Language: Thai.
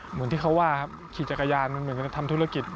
เหมือนที่เขาว่าครับขี่จักรยานเหมือนกันทำธุรกิจ